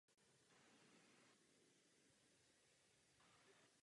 Tento nápad realizoval o dva roky později.